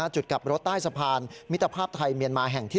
จุดกลับรถใต้สะพานมิตรภาพไทยเมียนมาแห่งที่๑